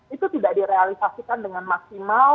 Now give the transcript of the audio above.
itu tidak direalisasikan dengan maksimal